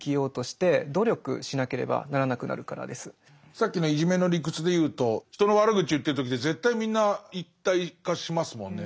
さっきのいじめの理屈で言うと人の悪口言ってる時って絶対みんな一体化しますもんね。